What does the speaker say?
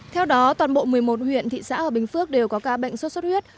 theo đó toàn bộ một mươi một huyện thị xã ở bình phước đều có ca bệnh sốt xuất huyết